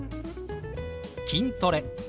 「筋トレ」。